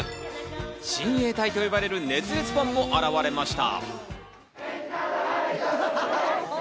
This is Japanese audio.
親衛隊と呼ばれる熱烈ファンも現れました。